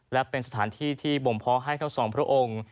และเป็นสถานที่ที่บ่มเพาะให้ทั้งสองพระองค์